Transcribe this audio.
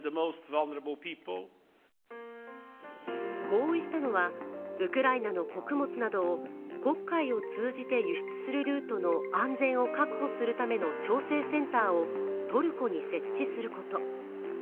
合意したのはウクライナの穀物などを黒海を通じて輸出するルートの安全を確保するための調整センターをトルコに設置すること。